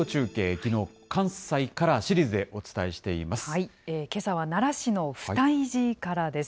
きのう、関西からシリーズでお伝えしています。